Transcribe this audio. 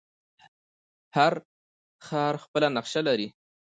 هر ښار خپله نقشه لري.